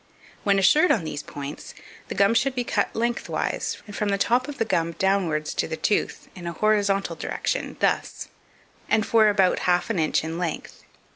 When assured on these points, the gum should be cut lengthwise, and from the top of the gum downwards to the tooth, in an horizontal direction, thus , and for about half an inch in length.